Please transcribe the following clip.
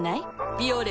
「ビオレ」